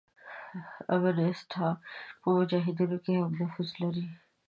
امینست ها په مجاهدینو کې هم نفوذ لري.